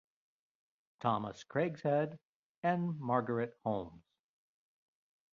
Thomas Craighead and Margaret Holmes.